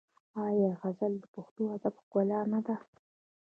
آیا غزل د پښتو ادب ښکلا نه ده؟